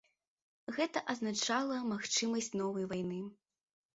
Гэта азначала магчымасць новай вайны.